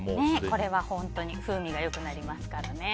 これは本当に風味が良くなりますからね。